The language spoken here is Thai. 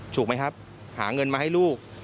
ถูกไหมครับหาเงินมาให้ลูก